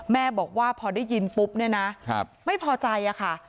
แม่บอกว่าพอได้ยินปุ๊บไม่พอใจค่ะ